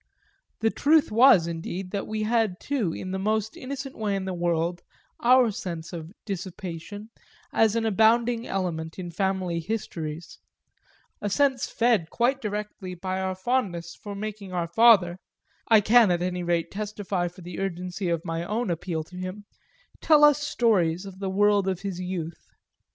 The truth was indeed that we had too, in the most innocent way in the world, our sense of "dissipation" as an abounding element in family histories; a sense fed quite directly by our fondness for making our father I can at any rate testify for the urgency of my own appeal to him tell us stories of the world of his youth.